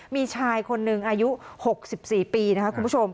มีชายคนหนึ่งอายุ๖๔ปีนะคะคุณผู้ชม